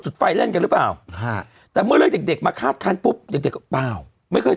เห้ย